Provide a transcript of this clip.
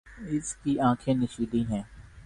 اس کی آنکھیں نشیلی ہیں۔